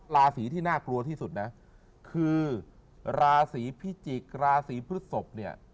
ราศีที่น่ากลัวที่สุดนะคือราศีพิจิกษ์ราศีพฤศพเนี่ย